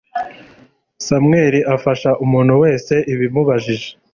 Samuel afasha umuntu wese ubimubajije